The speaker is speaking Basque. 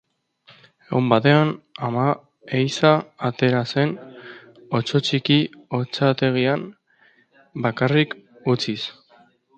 Egun batean ama ehizan atera zen otso txikia otsategian bakarrik utziz.